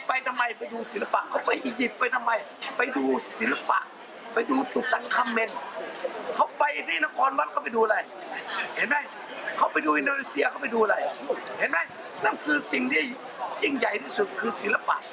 ไปดูอินโดริเซียเขาไปดูอะไรเห็นไหมนั่นคือสิ่งที่ยิ่งใหญ่ที่สุดคือศิลปะ